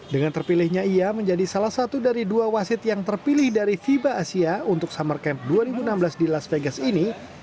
dengan terpilihnya ia menjadi salah satu dari dua wasit yang terpilih dari fiba asia untuk summer camp dua ribu enam belas di las vegas ini